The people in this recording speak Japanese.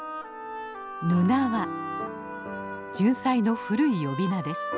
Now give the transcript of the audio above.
ジュンサイの古い呼び名です。